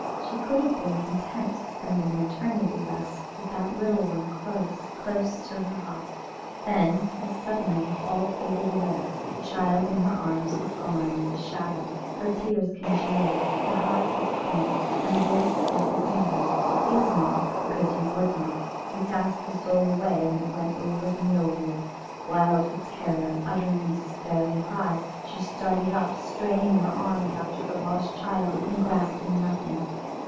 She could have been content to spend an eternity thus, with that little one close, close to her heart. Then as suddenly all faded away the child in her arms was gone as a shadow; her tears congealed, her heart was cramped, and a voice spoke within her: "It is not, because you would not. You cast the soul away, and it went over the mill wheel." Wild with terror, uttering a despairing cry, she started up, straining her arms after the lost child, and grasping nothing.